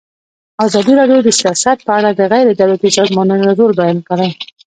ازادي راډیو د سیاست په اړه د غیر دولتي سازمانونو رول بیان کړی.